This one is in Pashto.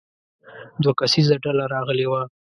دوه کسیزه ډله راغلې وه.